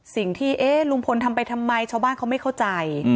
เอ๊ะลุงพลทำไปทำไมชาวบ้านเขาไม่เข้าใจ